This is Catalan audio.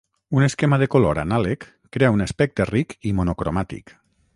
Un esquema de color anàleg crea un aspecte ric i monocromàtic.